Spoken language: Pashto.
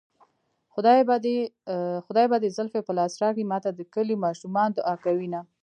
خدای به دې زلفې په لاس راکړي ماته د کلي ماشومان دوعا کوينه